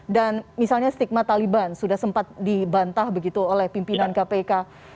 dan misalnya stigma taliban sudah sempat dibantah begitu oleh pimpinan kpk